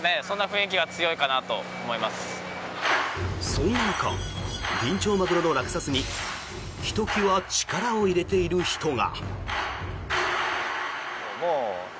そんな中ビンチョウマグロの落札にひときわ力を入れている人が。